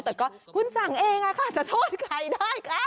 แต่ก็คุณสั่งเองค่ะจะโทษใครได้คะ